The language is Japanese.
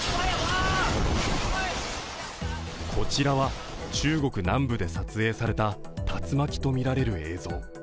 こちらは中国南部で撮影された竜巻とみられる映像。